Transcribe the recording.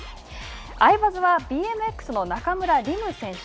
「アイバズ」はＢＭＸの中村輪夢選手。